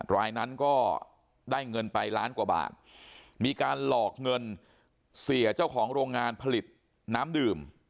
รายนั้นก็ได้เงินไปล้านกว่าบาทมีการหลอกเงินเสียเจ้าของโรงงานผลิตน้ำดื่ม